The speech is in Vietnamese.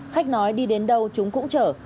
khách nói đi đến đâu chúng cũng chở